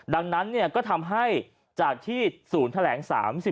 ดังนั้นก็ทำให้จากที่ศูนย์แถลง๓๔